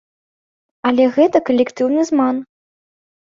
Але гэта калектыўны зман.